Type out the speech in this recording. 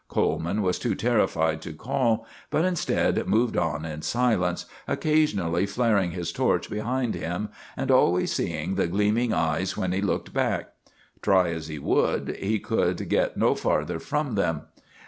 Coleman was too terrified to call, but instead moved on in silence, occasionally flaring his torch behind him, and always seeing the gleaming eyes when he looked back. Try as he would, he could get no farther from them.